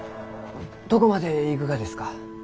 どこまで行くがですか？